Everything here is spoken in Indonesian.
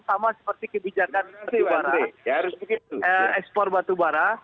sama seperti kebijakan ekspor batu bara